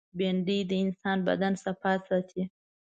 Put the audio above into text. بېنډۍ د انسان د بدن صفا ساتي